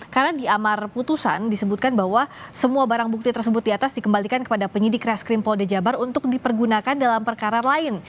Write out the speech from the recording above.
karena di amar putusan disebutkan bahwa semua barang bukti tersebut di atas dikembalikan kepada penyidik raskrim paul dejabar untuk dipergunakan dalam perkara lain